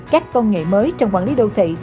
các công nghệ mới trong quản lý đô thị